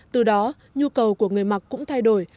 từ đó nhu cầu của người mặc cũng thay đổi